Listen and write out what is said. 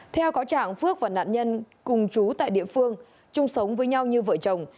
theo có trạng phước và nạn nhân cùng chú tại địa phương chung sống với nhau như vợ chồng